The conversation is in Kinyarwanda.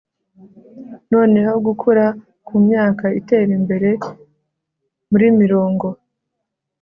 noneho gukura kumyaka itera imbere muri mirongo